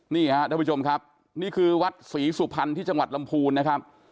นี่ฮะท่านผู้ชมครับนี่คือวัดศรีสุพรรณที่จังหวัดลำพูนนะครับ